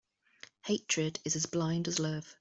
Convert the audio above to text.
Hatred is as blind as love.